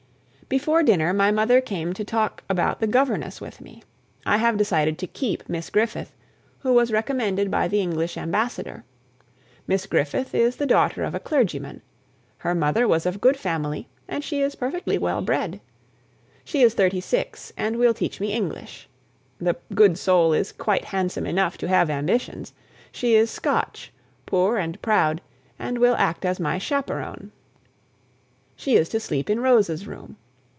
Before dinner, my mother came to talk about the governess with me. I have decided to keep Miss Griffith, who was recommended by the English ambassador. Miss Griffith is the daughter of a clergyman; her mother was of good family, and she is perfectly well bred. She is thirty six, and will teach me English. The good soul is quite handsome enough to have ambitions; she is Scotch poor and proud and will act as my chaperon. She is to sleep in Rose's room.